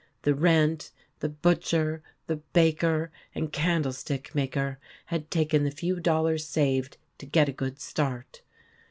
The rent, the butcher, the baker, and candlestick maker, had taken the few dollars saved " to get a good start."